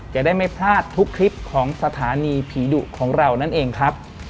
จะได้ไม่พลาดทุกคลิปของสถานีผีดุของเรานั่นเองครับ